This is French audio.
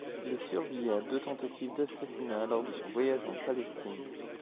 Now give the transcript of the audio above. Elle survit à deux tentatives d'assassinat lors de son voyage en Palestine.